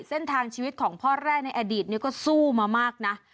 เส้นทางชีวิตของพ่อแร่ในอดีตก็สู้มามากนะ